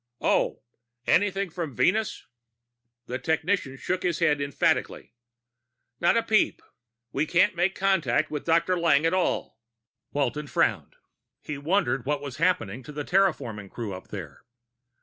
"Oh anything from Venus?" The technician shook his head emphatically. "Not a peep. We can't make contact with Dr. Lang at all." Walton frowned. He wondered what was happening to the terraforming crew up there.